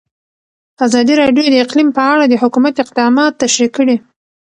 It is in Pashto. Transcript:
ازادي راډیو د اقلیم په اړه د حکومت اقدامات تشریح کړي.